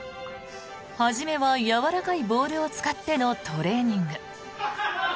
初めはやわらかいボールを使ってのトレーニング。